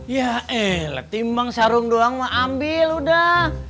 ya elah timbang sarung doang ambil udah